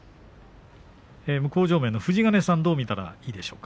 向正面、富士ヶ根さんどう見たらいいでしょうか。